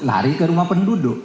lari ke rumah penduduk